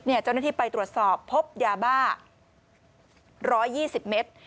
เจ้าหน้าที่ไปตรวจสอบพบยาบ้า๑๒๐เมตร